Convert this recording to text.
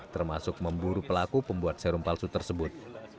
termasuk memburu pelaku pembuat serum palsu tersebut